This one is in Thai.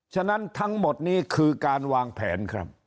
ฉะนั้นทั้งหมดนี้คือการวางแผนครับ